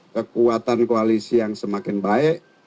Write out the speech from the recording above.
kekuatan koalisi yang semakin baik